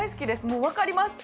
もう分かります。